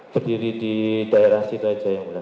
berdiri di daerah situ aja yang mulia